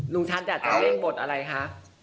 ลุงชัดอยากจะเล่นบทอะไรคะ